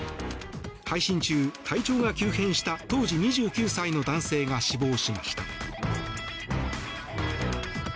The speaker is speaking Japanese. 配信中、体調が急変した当時２９歳の男性が死亡しました。